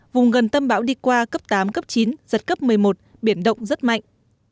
vùng gần tâm bão đi qua cấp tám cấp chín giật cấp một mươi một biển động rất mạnh